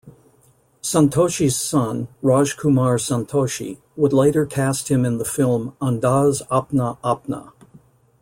Santoshi's son, Rajkumar Santoshi, would later cast him in the film "Andaz Apna Apna".